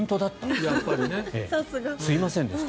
すいませんでした。